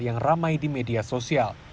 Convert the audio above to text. yang ramai di media sosial